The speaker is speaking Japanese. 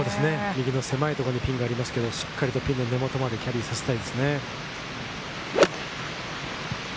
右の狭いところにピンがありますが、ピンの根元までしっかりキャリーさせたいですね。